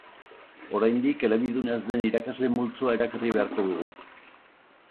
Oraindik elebidun ez den irakasle multzoa erakarri beharko dugu.